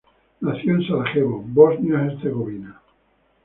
Nació en Sarajevo, Bosnia-Herzegovina.